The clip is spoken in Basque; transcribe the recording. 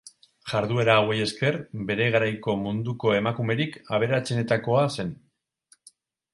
Jarduera hauei esker, bere garaiko munduko emakumerik aberatsenetakoa zen.